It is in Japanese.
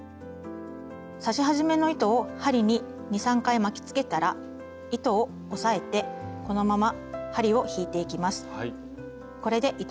刺し始めの糸を針に２３回巻きつけたら糸を押さえてこのまま針を引いていきます。